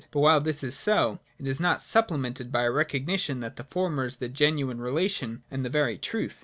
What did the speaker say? But while this is so, it is not supplemented by a recognition that the former is the genuine relation and the very truth.